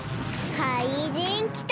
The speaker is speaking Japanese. かいじんきた！